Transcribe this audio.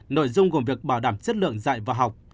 nội dung gồm việc bảo đảm chất lượng dạy và học